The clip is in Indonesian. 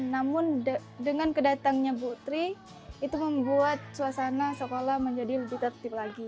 namun dengan kedatangnya ibu tri itu membuat suasana sekolah menjadi lebih tertip lagi